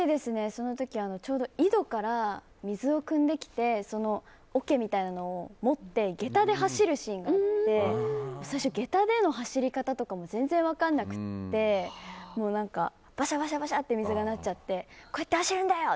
その時は、ちょうど井戸から水をくんできておけみたいなのを持って下駄で走るシーンで最初、下駄での走り方も全然分からなくてばしゃばしゃって水がなっちゃってこうやって走るんだよ！